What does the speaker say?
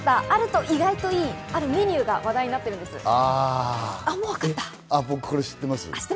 あると意外といい、あるメニューが話題になっています。